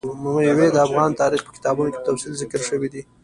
مېوې د افغان تاریخ په کتابونو کې په تفصیل ذکر شوي دي.